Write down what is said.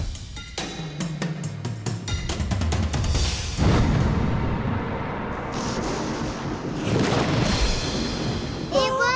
empat tahun lalu